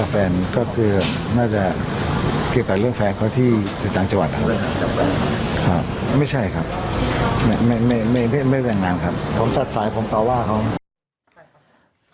ไม่เป็นอย่างนั้นครับผมตัดสายผมตอบว่าเขา